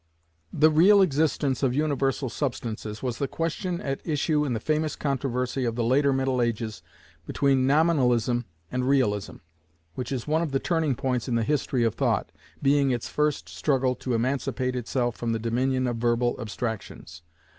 The real existence of Universal Substances was the question at issue in the famous controversy of the later middle ages between Nominalism and Realism, which is one of the turning points in the history of thought, being its first struggle to emancipate itself from the dominion of verbal abstractions.